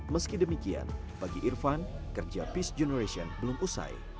meski demikian bagi irvan kerja peacegen belum usai